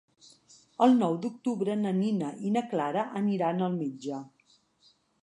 El nou d'octubre na Nina i na Clara aniran al metge.